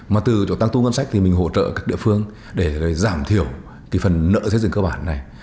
mà từ chỗ tăng thu ngân sách thì mình hỗ trợ các địa phương để giảm thiểu cái phần nợ xây dựng cơ bản này